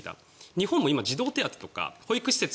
日本も児童手当とか保育施設